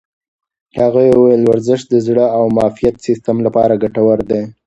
هغې وویل ورزش د زړه او معافیت سیستم لپاره ګټور دی.